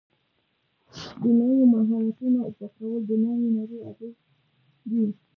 د نویو مهارتونو زده کول د نوې نړۍ اغېزې دي.